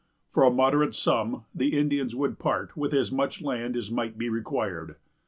For a moderate sum the Indians would part with as much land as might be required.